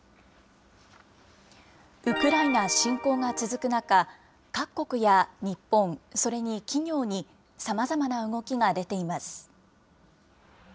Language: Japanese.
ウクライナ侵攻が続く中、各国や日本、それに企業に、さまざまな動きが出ています。